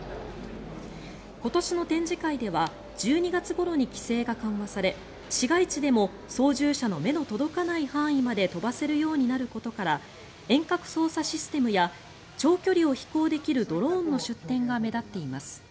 今年の展示会では１２月ごろに規制が緩和され市街地でも操縦者の目の届かない範囲まで飛ばせるようになることから遠隔操作システムや長距離を飛行できるドローンの出展が目立っています。